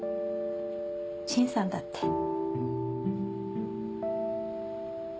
陳さんだって。